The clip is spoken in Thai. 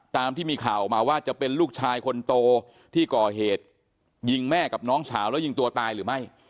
ตามที่มีข่าวออกมาว่าจะเป็นลูกชายคนโตที่ก่อเหตุยิงแม่กับน้องสาวแล้วยิงตัวตายหรือไม่